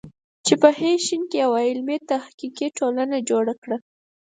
په ه ش کې یوه علمي تحقیقي ټولنه جوړه کړه.